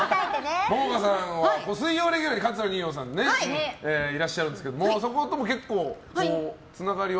桃花さんは水曜レギュラー桂二葉さんがいらっしゃるんですけどそことも、つながりは？